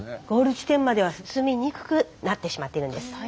ゴール地点までは進みにくくなってしまっているんです。